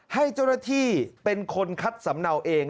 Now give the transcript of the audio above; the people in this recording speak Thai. ให้เจ้าหน้าที่เป็นคนคัดสำเนาเอง